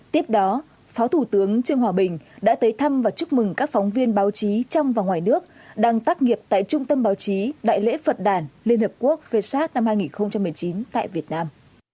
tiếp đó phó thủ tướng trương hòa bình đã tới thăm và chúc mừng các phóng viên báo chí trong và ngoài nước đang tác nghiệp tại trung tâm báo chí đại lễ phật đàn liên hợp quốc vesat năm hai nghìn một mươi chín tại việt nam